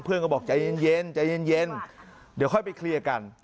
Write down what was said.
เพื่อนก็บอกใจเย็นเดี๋ยวค่อยไปเคลียร์กัน